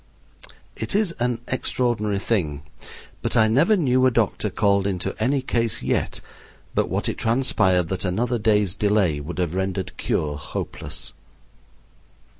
It is an extraordinary thing, but I never knew a doctor called into any case yet but what it transpired that another day's delay would have rendered cure hopeless.